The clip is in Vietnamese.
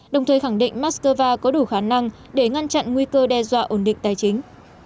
đồng thời khẳng định moscow có đủ khả năng để ngăn chặn nguy cơ đe dọa ổn định tài chính